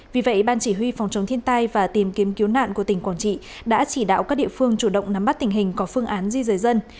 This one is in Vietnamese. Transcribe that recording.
vì vậy ban chỉ huy phòng chống thiên tai và tìm kiếm cứu nạn của tỉnh quảng trị đã chỉ đạo các địa phương chủ động nắm bắt tình hình có phương án di rời dân